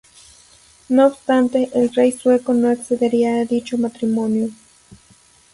No obstante, el rey sueco no accedería a dicho matrimonio.